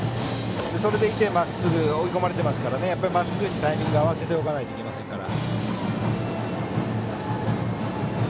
それでいて追い込まれているのでまっすぐにタイミングを合わせておかないといけませんから。